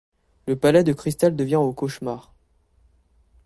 Le Palais de Crystal devient au cauchemar.